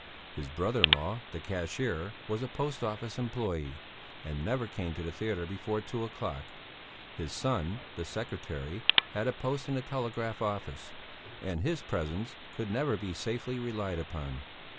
His brother in law, the cashier, was a post office employé and never came to the theatre before two o'clock; his son, the secretary, had a post in the telegraph office, and his presence could never be safely relied upon.